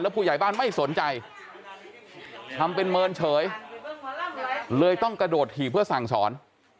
ผู้ใหญ่บ้านไม่สนใจทำเป็นเมินเฉยเลยต้องกระโดดถีบเพื่อสั่งสอน